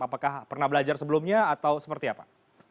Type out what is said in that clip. apakah pernah belajar sebelumnya atau seperti apa